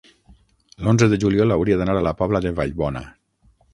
L'onze de juliol hauria d'anar a la Pobla de Vallbona.